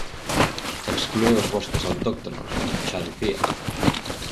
Exclúe os bosques autóctonos, como xa dicía.